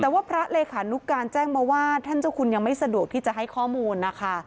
แต่ว่าพระเลขานุการแจ้งมาว่าท่านเจ้าคุณยังไม่สะดวกที่จะให้ข้อมูลนะคะ